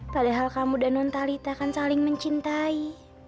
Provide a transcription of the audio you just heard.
padahal kamu dan non talita kan saling mencintai